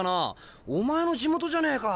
お前の地元じゃねえか。